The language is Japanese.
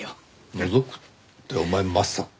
「のぞく」ってお前まさか。